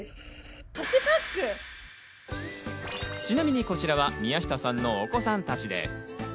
ちなみにこちらは宮下さんのお子さんたちです。